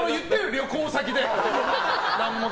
旅行先で。